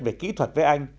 về kỹ thuật với anh